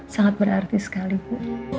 sangat berarti sekali bu